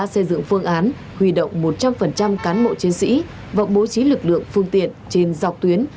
xây dựng phương án huy động một trăm linh cán bộ chiến sĩ và bố trí lực lượng phương tiện trên dọc tuyến